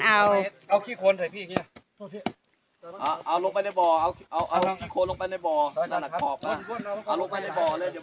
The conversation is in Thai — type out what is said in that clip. เอาขี้โคนลงไปในบ่อ